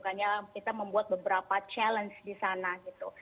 karena kita membuat beberapa challenge di sana gitu